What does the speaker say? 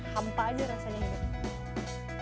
hampa aja rasanya hidup gue